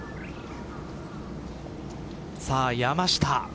さあ山下。